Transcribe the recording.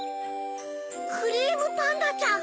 クリームパンダちゃん。